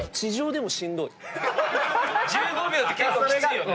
１５秒って結構きついよね。